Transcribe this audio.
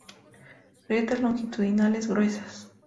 Grietas longitudinales gruesas.